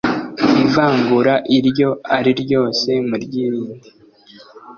ivangura iryo ariryose muryirinde.